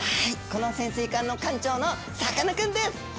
この潜水艦の艦長のさかなクンです！